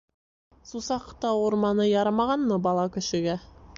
Сусаҡтау урманы ярамағанмы бала кешегә?